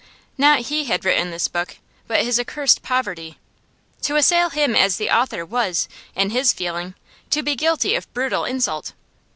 Not he had written this book, but his accursed poverty. To assail him as the author was, in his feeling, to be guilty of brutal insult.